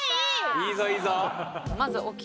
いいぞいいぞ。